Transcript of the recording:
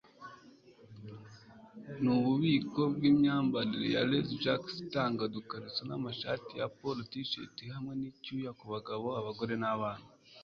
Nububiko bwimyambarire ya Lazy Jacks itanga udukariso amashati ya polo tshirts hamwe nu icyuya kubagabo abagore nabana